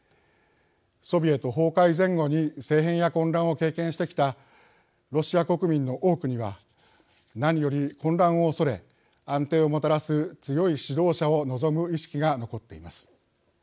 ソビエト崩壊前後に政変や混乱を経験してきたロシア国民の多くには何より混乱をおそれ安定をもたらす強い指導者を望む意識が残っています。